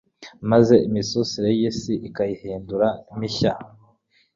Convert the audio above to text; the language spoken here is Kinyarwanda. maze imisusire y’isi ukayihindura mishya